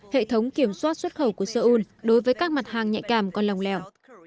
hệ thống kiểm soát xuất khẩu của seoul đối với các mặt hàng nhạy cảm còn lòng lẻo